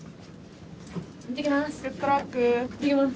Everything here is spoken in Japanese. いってきます。